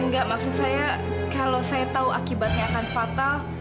enggak maksud saya kalau saya tahu akibatnya akan fatal